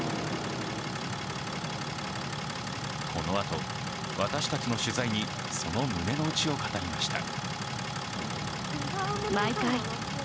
このあと、私たちの取材にその胸のうちを語りました。